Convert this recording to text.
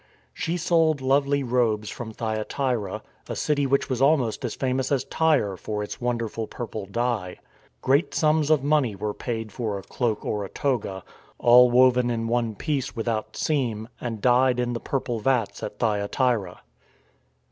She sold lovely robes from Thyatira, a city which was almost as famous as Tyre for its wonderful purple dye. Great sums of money were paid for a cloak or a toga, all woven in one piece without seam, and dyed in the purple vats at Thyatira.